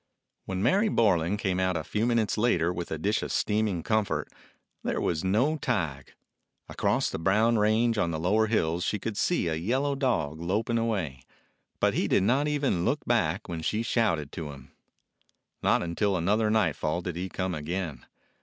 When Mary Borlan came out a few minutes later with a dish of steaming comfort, there was no Tige. Across the brown range on the lower hills she could see a yellow dog loping away, but he did not even look back when she shouted to him. Not till another nightfall did he come again.